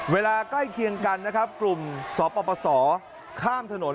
เวลาใกล้เคียงกันกลุ่มสปศข้ามถนน